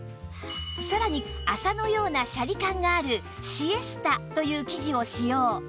さらに麻のようなシャリ感があるシエスタという生地を使用